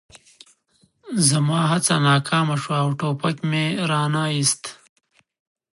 زما هڅه ناکامه شوه او ټوپک مې را نه ایست